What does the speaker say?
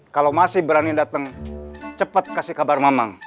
kalau masih berani datang cepat kasih kabar mama